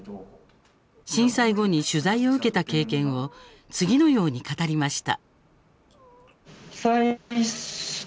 震災後に取材を受けた経験を次のように語りました。